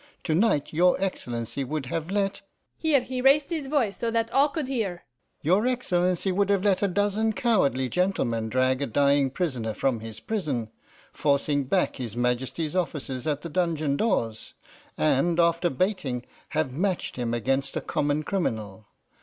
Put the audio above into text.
To night your Excellency would have let' here he raised his voice so that all could hear 'your Excellency would have let a dozen cowardly gentlemen drag a dying prisoner from his prison, forcing back his Majesty's officers at the dungeon doors, and, after baiting, have matched him against a common criminal.